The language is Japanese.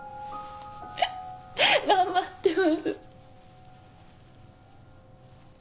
頑張ってます。